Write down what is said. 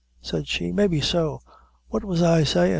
said she, "maybe so what was I sayin'?"